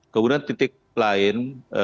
kemudian titik lain